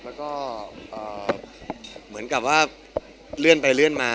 แล้วก็เหมือนกับว่าเลื่อนไปเลื่อนมา